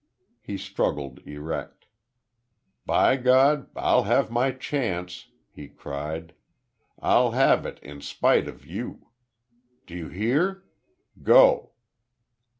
He struggled erect. "By God, I'll have my chance!" he cried. "I'll have it in spite of you! Do you hear? Go!"